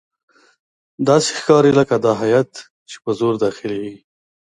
داسې ښکاري لکه دا هیات چې په زور داخليږي.